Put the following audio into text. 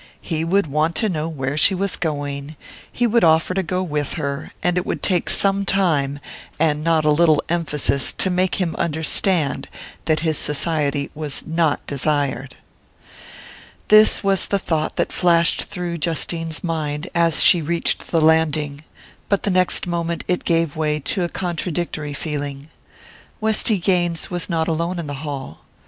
He would want to know where she was going, he would offer to go with her, and it would take some time and not a little emphasis to make him understand that his society was not desired. This was the thought that flashed through Justine's mind as she reached the landing; but the next moment it gave way to a contradictory feeling. Westy Gaines was not alone in the hall.